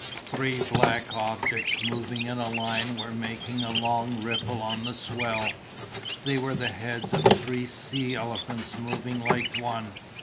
Three black objects moving in a line were making a long ripple on the swell. They were the heads of three sea elephants moving like one.